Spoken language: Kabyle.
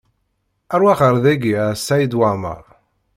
Rwaḥ ɣer dayi a Saɛid Waɛmaṛ!